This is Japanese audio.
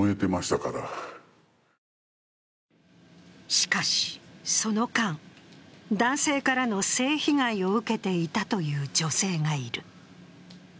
しかし、その間、男性からの性被害を受けていたという女性がいる。